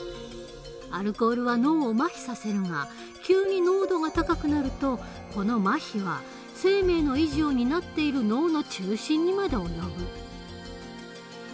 アルコールは脳をまひさせるが急に濃度が高くなるとこのまひは生命の維持を担っている脳の中心にまで及ぶ。